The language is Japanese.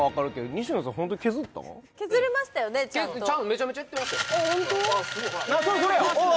めちゃめちゃやってましたよ